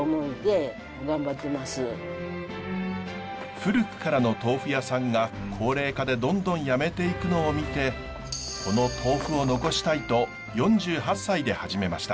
古くからの豆腐屋さんが高齢化でどんどんやめていくのを見てこの豆腐を残したいと４８歳で始めました。